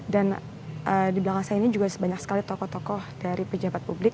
dan di belakang saya ini juga sebanyak sekali tokoh tokoh dari pejabat publik